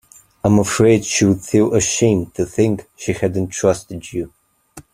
I'm afraid she'd feel ashamed to think she hadn't trusted you.